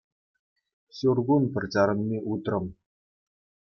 Ҫур кун пӗр чарӑнми утрӑм.